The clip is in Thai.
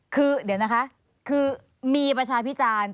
คือเดี๋ยวนะคะคือมีประชาพิจารณ์